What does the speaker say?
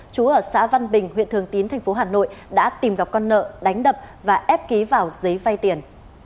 chú ở xã văn bình huyện thường tín thành phố hà nội đã tìm gặp con nợ đánh đập và ép ký vào giấy vay tiền